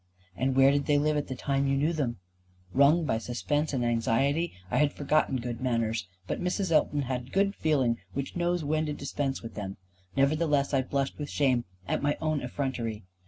"And where did they live at the time you knew them?" Wrung by suspense and anxiety, I had forgotten good manners. But Mrs. Elton had good feeling which knows when to dispense with them. Nevertheless I blushed with shame at my own effrontery.